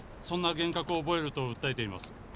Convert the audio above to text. そんな幻覚を覚えると訴えています。